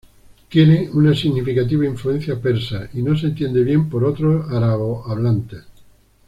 Tiene una significativa influencia persa y no se entiende bien por otros árabo-hablantes.